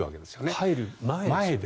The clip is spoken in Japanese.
入る前に。